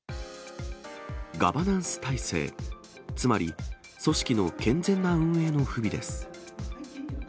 ガバナンス体制、つまり組織の健全な運営の不備です。